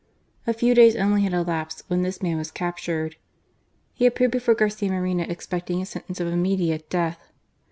A few days only had elapsed when this man was captured. He appeared before Garcia Moreno expecting a sentence of immediate death.